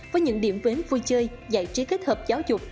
với những điểm đến vui chơi giải trí kết hợp giáo dục